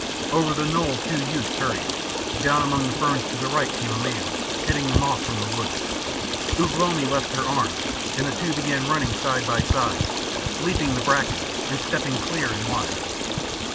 Over the knoll two youths hurried. Down among the ferns to the right came a man, heading them off from the wood. Ugh lomi left her arm, and the two began running side by side, leaping the bracken and stepping clear and wide.